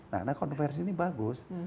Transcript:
nah konversi ini bagus